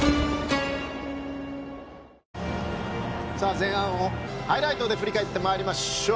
前半をハイライトで振り返ってまいりましょう。